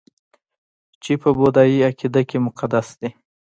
چې په بودايي عقیده کې مقدس دي